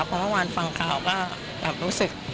เพราะวันฟังข่าวก็รู้สึก